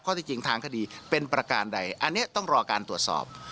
ที่จริงทางคดีเป็นประการใดอันนี้ต้องรอการตรวจสอบ